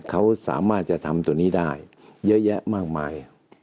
เขาสามารถจะทำตัวนี้ได้เยอะแยะมากมาย